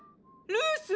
ルース？